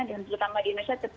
dan terutama di indonesia